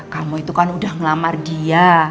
kamu itu kan udah ngelamar dia